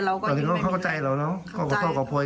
ไม่เลยไม่เคย